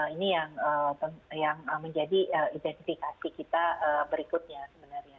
ini yang menjadi identifikasi kita berikutnya sebenarnya